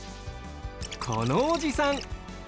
このおじさん。